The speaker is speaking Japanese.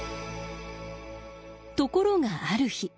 ところがある日。